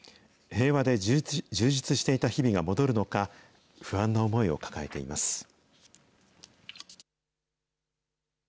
平和で充実していた日々が戻るのか、不安な思いを抱えています。